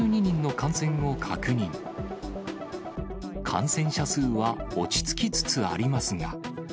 感染者数は落ち着きつつありますが。